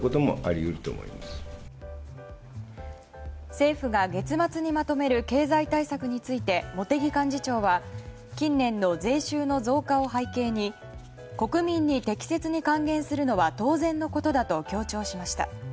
政府が月末にまとめる経済対策について茂木幹事長は近年の税収の増加を背景に国民に適切に還元するのは当然のことだと強調しました。